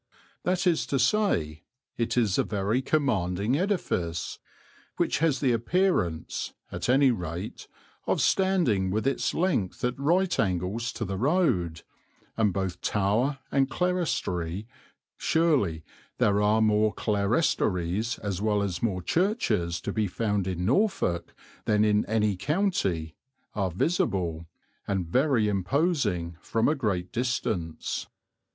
That is to say, it is a very commanding edifice, which has the appearance, at any rate, of standing with its length at right angles to the road, and both tower and clerestory surely there are more clerestories as well as more churches to be found in Norfolk than in any county are visible, and very imposing, from a great distance.